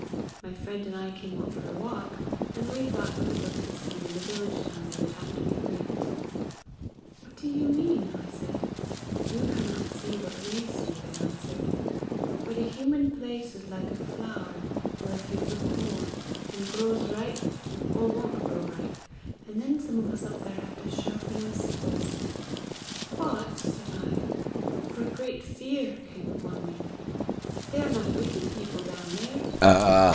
'My friend and I came out for a walk, and we thought we would look to see when the village down there will have to be reaped.' 'What do you mean?' I said. 'You cannot see what we see,' they answered; 'but a human place is like a flower, or a field of corn, and grows ripe, or won't grow ripe, and then some of us up there have to sharpen our sickles.' 'What!' said I, for a great fear came upon me, 'they are not wicked people down there!'